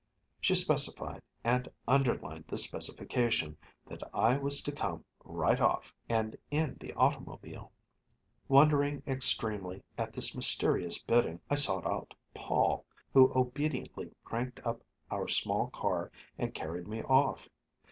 She specified, and underlined the specification, that I was to come "right off, and in the automobile." Wondering extremely at this mysterious bidding, I sought out Paul, who obediently cranked up our small car and carried me off.